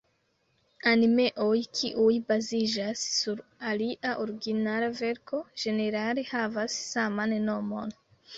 Animeoj kiuj baziĝas sur alia originala verko, ĝenerale havas saman nomon.